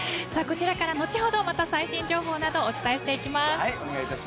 こちらから後ほどまた最新情報などお伝えしていきます。